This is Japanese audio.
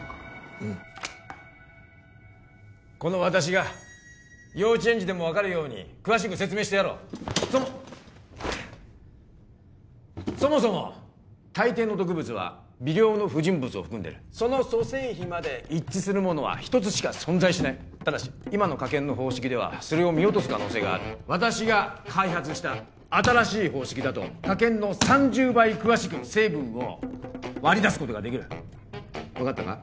この私が幼稚園児でも分かるように詳しく説明してやろうそもそもそもたいていの毒物は微量の不純物を含んでるその組成比まで一致するものは１つしか存在しないただし今の科検の方式ではそれを見落とす可能性がある私が開発した新しい方式だと科検の３０倍詳しく成分を割り出すことができる分かったか？